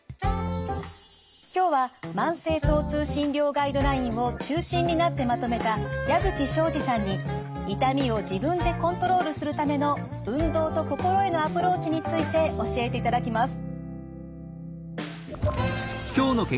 今日は慢性疼痛診療ガイドラインを中心になってまとめた矢吹省司さんに痛みを自分でコントロールするための運動と心へのアプローチについて教えていただきます。